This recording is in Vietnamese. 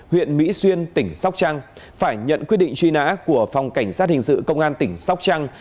huyện mỹ xuyên tỉnh sóc trăng phải nhận quyết định truy nã của phòng cảnh sát hình sự công an tỉnh sóc trăng